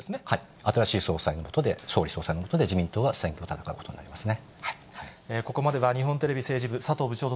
新しい総裁の下で、総理総裁の下で、自民党は選挙を戦うことになりますね。